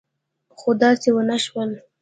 خو داسې ونه شول.